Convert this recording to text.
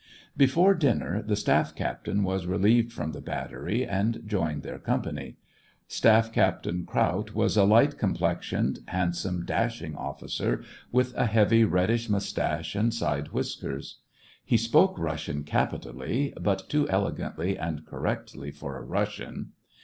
Before dinner, the staff captain was relieved from the battery, and joined their company. Staff Cap 2o8 SEVASTOPOL IN AUGUST. tain Kraut was a light complexioned, handsome, dashing officer, with a heavy, reddish moustache, and side whiskers ; he spoke Russian capitally, but too elegantly and correctly for a Russian.